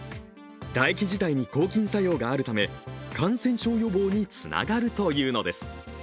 唾液自体に抗菌作用があるため感染症予防につながるというのです。